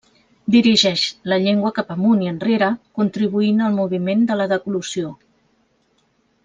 Dirigeix la llengua cap amunt i enrere contribuint al moviment de la deglució.